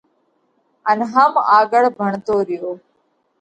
ان هم آڳۯ ڀڻتو ريو۔